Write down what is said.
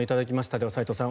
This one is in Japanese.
では、斎藤さん